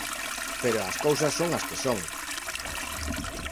Pero as cousas son as que son.